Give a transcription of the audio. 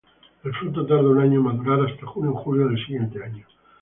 El fruto tarda un año en madurar hasta junio-julio del siguiente año.